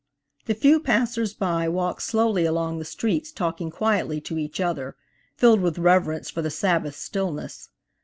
The few passers by walked slowly along the streets talking quietly to each other, filled with reverence for the Sabbath stillness.